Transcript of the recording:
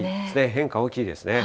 変化大きいですね。